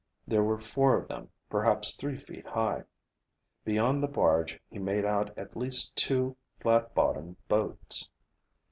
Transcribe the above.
There were four of them, perhaps three feet high. Beyond the barge he made out at least two flat bottomed boats.